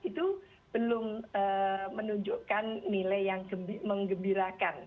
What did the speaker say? itu belum menunjukkan nilai yang mengembirakan